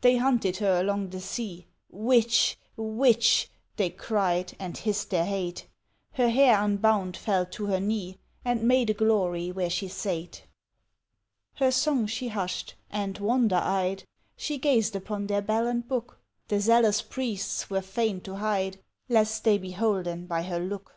They hunted her along the sea, "Witch, Witch!" they cried and hissed their hate Her hair unbound fell to her knee And made a glory where she sate. Her song she hushed and, wonder eyed, She gazed upon their bell and book; The zealous priests were fain to hide Lest they be holden by her look.